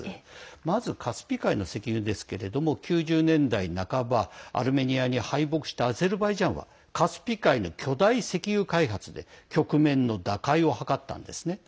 まずカスピ海の石油ですけれども９０年代半ばアルメニアに敗北したアゼルバイジャンはカスピ海の巨大石油開発で局面の打開を図ったんですね。